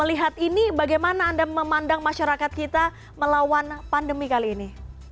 melihat ini bagaimana anda memandang masyarakat kita melawan pandemi kali ini